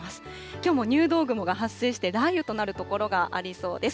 きょうも入道雲が発生して、雷雨となる所がありそうです。